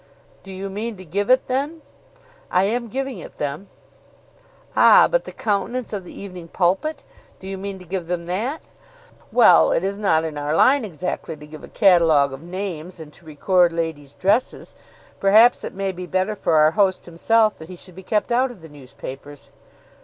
"Do you mean to give it then?" "I am giving it them." "Ah; but the countenance of the 'Evening Pulpit.' Do you mean to give them that?" "Well; it is not in our line exactly to give a catalogue of names and to record ladies' dresses. Perhaps it may be better for our host himself that he should be kept out of the newspapers."